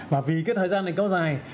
và vì cái thời gian này có dài